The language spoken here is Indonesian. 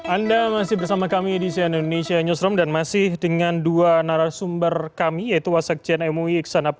anda masih bersama kami di sian indonesia newsroom dan masih dengan dua narasumber kami yaitu wasak cnmu iksan